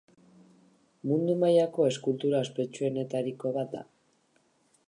Mundu mailako eskultura ospetsuenetariko bat da.